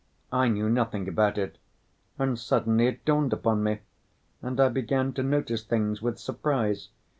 I knew nothing about it ... and suddenly it dawned upon me, and I began to notice things with surprise.